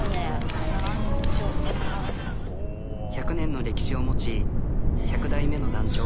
１００年の歴史を持ち１００代目の団長。